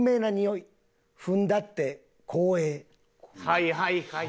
はいはいはい。